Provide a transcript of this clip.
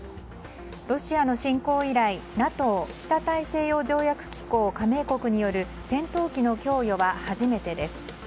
ロシアの侵攻以来、ＮＡＴＯ・北大西洋条約機構加盟国による戦闘機の供与は初めてです。